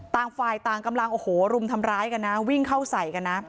ต่างฝ่ายต่างกำลังโอ้โหรุมทำร้ายกันนะวิ่งเข้าใส่กันนะ